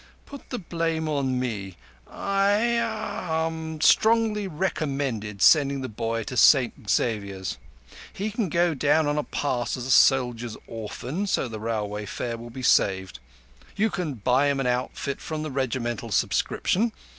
Put the blame on me. I—er—strongly recommend sending the boy to St Xavier's. He can go down on pass as a soldier's orphan, so the railway fare will be saved. You can buy him an outfit from the Regimental subscription.